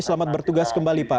selamat bertugas kembali pak